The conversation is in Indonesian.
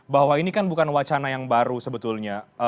bahwa ini kan bukan wacana yang baru sebetulnya